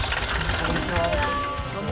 こんにちは。